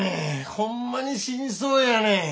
ホンマに死にそうやねん！